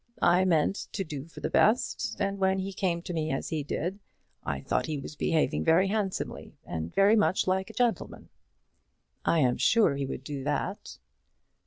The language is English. I meant to do for the best; and when he came to me as he did, I thought he was behaving very handsomely, and very much like a gentleman." "I am sure he would do that."